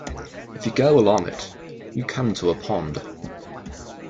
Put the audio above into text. If you go along it, you come to a pond.